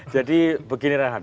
jadi begini rehat